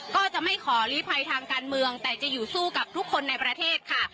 ก็จะไม่ขอลีภัยทางการเมืองแต่จะอยู่สู้กับทุกคนในประเทศค่ะ